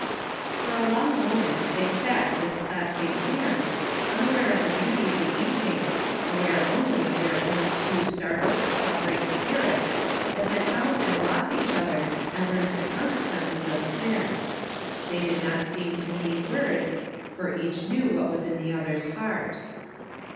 For a long moment they sat with clasping hands, unaware of the beauty of the evening, aware only of their own two startled, suffering spirits, that had found and lost each other and learned the consequences of sin. They did not seem to need words, for each knew what was in the other's heart.